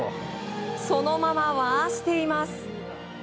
そのまま回しています。